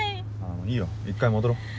いいよ一回戻ろう。